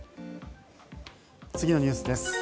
次のニュースです。